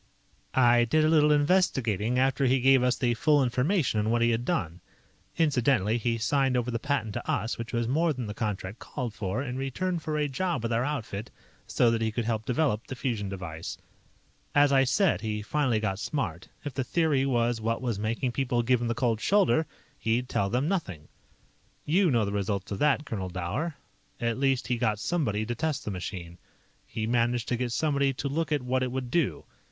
"I did a little investigating after he gave us the full information on what he had done. (Incidentally, he signed over the patent to us, which was more than the contract called for, in return for a job with our outfit, so that he could help develop the fusion device.) "As I said, he finally got smart. If the theory was what was making people give him the cold shoulder, he'd tell them nothing. "You know the results of that, Colonel Dower. At least he got somebody to test the machine. He managed to get somebody to look at what it would do.